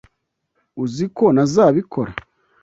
Uzi ko ntazabikora.